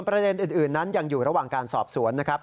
ประเด็นอื่นนั้นยังอยู่ระหว่างการสอบสวนนะครับ